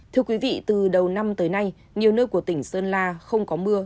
thưa quý vị từ đầu năm tới nay nhiều nơi của tỉnh sơn la không có mưa